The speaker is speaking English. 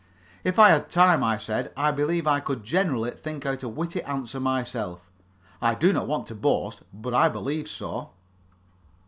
"If I had time," I said, "I believe I could generally think out a witty answer myself. I do not want to boast, but I believe so."